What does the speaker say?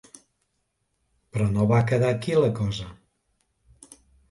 Però no va quedar aquí la cosa.